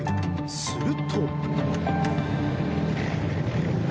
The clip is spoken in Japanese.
すると。